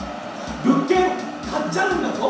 物件買っちゃうんだぞ？